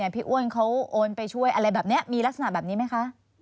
อ้วนเขาโอนไปช่วยอะไรแบบนี้มีลักษณะแบบนี้ไหมคะ